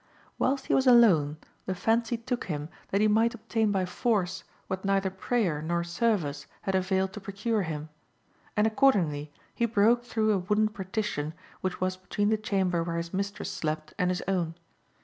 Whilst he was alone the fancy took him that he might obtain by force what neither prayer nor service had availed to procure him, and accordingly he broke through a wooden partition which was between the chamber where his mistress slept and his own.